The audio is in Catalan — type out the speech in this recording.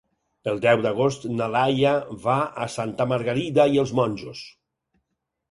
El deu d'agost na Laia va a Santa Margarida i els Monjos.